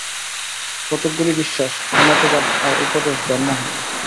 কতকগুলি বিশ্বাস, মতবাদ আর উপদেশে ধর্ম হয় না।